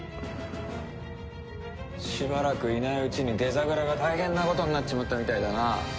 しばらくいないうちにデザグラが大変なことになっちまったみたいだな。